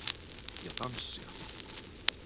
Ja tanssia.